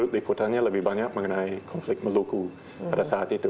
liputannya lebih banyak mengenai konflik meluku pada saat itu